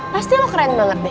pasti lo keren banget deh